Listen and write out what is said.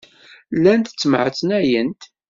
Llant ttemɛetnayent.